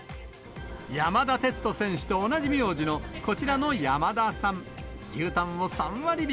山田哲人選手と同じ名字のこちらの山田さん。